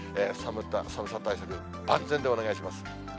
寒さ対策、万全でお願いします。